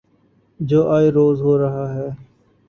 جو آئے روز ہو رہا ہے۔